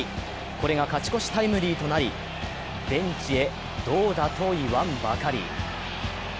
これが勝ち越しタイムリーとなり、ベンチへ「どうだ」と言わんばかり。